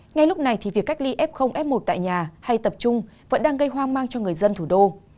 ngay lúc này thì việc cách ly f f một tại nhà hay tập trung vẫn đang gây hoang mang cho người dân thủ đô